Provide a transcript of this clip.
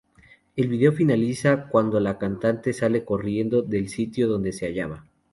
El video finaliza cuando la cantante sale corriendo del sitio donde se hallaba.